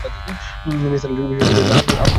নিসার আলি বিস্মিত হয়ে বললেন, আব্দুল মজিদ আপনার ছেলে?